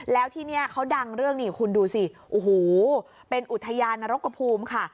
แล้วที่นี่เขาดังเรื่องนี่คุณดูสิโอ้โหเป็นอุทยานนรกกระภูมิค่ะ